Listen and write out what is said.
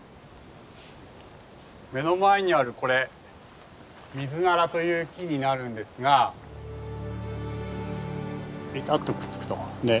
目の前にあるこれミズナラという木になるんですがベタッとくっつくと。